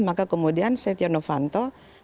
maka kemudian setia novanto